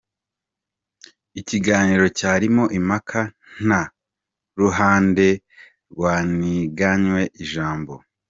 Ikiganiro cyarimo impaka, nta ruhande rwaniganywe ijambo.